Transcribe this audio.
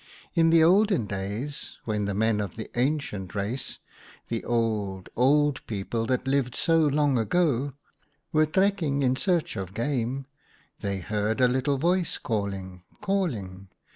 " In the olden days when the men of the Ancient Race — the old, old people that lived so long ago — were trekking in search of game, they heard a little voice calling, calling.